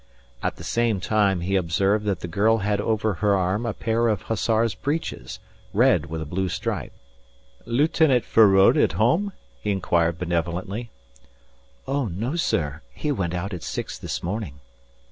At the same time he observed that the girl had over her arm a pair of hussar's breeches, red with a blue stripe. "Lieutenant Feraud at home?" he inquired benevolently. "Oh, no, sir. He went out at six this morning."